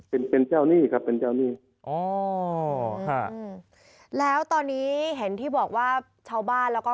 เป็นเป็นเจ้าหนี้ครับเป็นเจ้าหนี้อ๋อค่ะอืมแล้วตอนนี้เห็นที่บอกว่าชาวบ้านแล้วก็